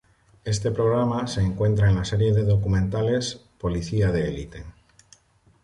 Este programa se encuentra en la serie de documentales; Policía de Elite.